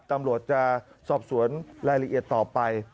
ตำรวจจะสอบสวนรายละเอียดต่อไป